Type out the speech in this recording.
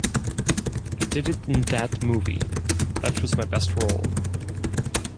I did it in that movie, that was my best role.